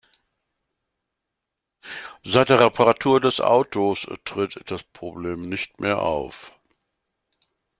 Seit der Reparatur des Autos tritt das Problem nicht mehr auf.